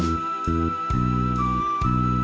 ไม่ใช้ครับไม่ใช้ครับ